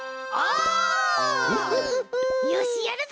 よしやるぞ！